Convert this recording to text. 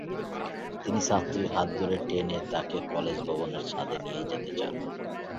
তিনি ছাত্রীর হাত ধরে টেনে তাকে কলেজ ভবনের ছাদে নিয়ে যেতে চান।